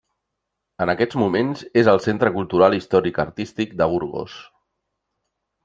En aquests moments és el Centre Cultural Històric-Artístic de Burgos.